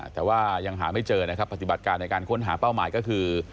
แต่ว่ายังหาไม่เจอนะครับปฏิบัติการในการค้นหาเป้าหมายก็คือ